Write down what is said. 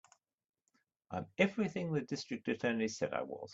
I'm everything the District Attorney said I was.